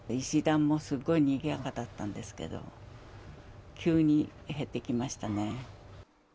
石段もすごいにぎやかだったんですけど、急に減ってきましたね。